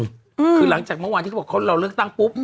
คือหลังจากเมื่อวานที่เขาบอกเขาเราเลือกตั้งปุ๊บ